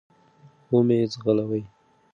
و مي ځغلوی .